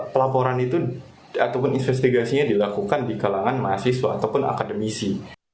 pelaporan itu ataupun investigasinya dilakukan di kalangan mahasiswa ataupun akademisi